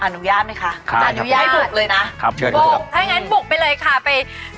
อนุญาตไหมค่ะ